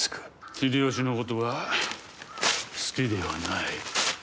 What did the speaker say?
秀吉のことは好きではない。